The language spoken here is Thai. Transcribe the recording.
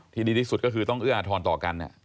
ดีที่สุดก็คือต้องเอื้ออาทรต่อกัน